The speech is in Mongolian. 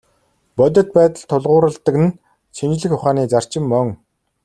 Бодит байдалд тулгуурладаг нь шинжлэх ухааны зарчим мөн.